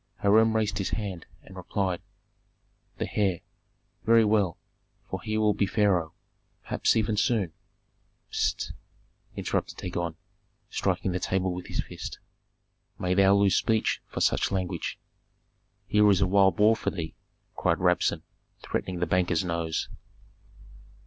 Hiram raised his hand, and replied, "The heir very well, for he will be pharaoh, perhaps even soon " "Pst!" interrupted Dagon, striking the table with his fist. "May thou lose speech for such language!" "Here is a wild boar for thee!" cried Rabsun, threatening the banker's nose.